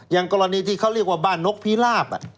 อย่างกรณีที่เขาเรียกว่าบ้านนกพิราบ